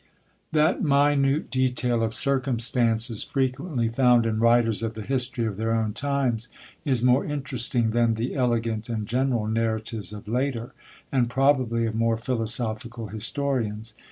That minute detail of circumstances frequently found in writers of the history of their own times is more interesting than the elegant and general narratives of later, and probably of more philosophical historians.